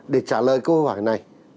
để trả lời câu hỏi này